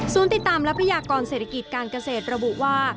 ติดตามและพยากรเศรษฐกิจการเกษตรระบุว่า